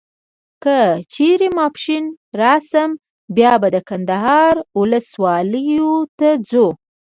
که چیري ماپښین راسم بیا به د کندهار و اولس ولسوالیو ته ځو.